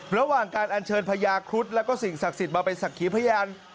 ระหว่างการอัญเชิญพญาครุฑแล้วก็สิ่งศักดิ์สิทธิ์มาเป็นศักดิ์ขีพยาน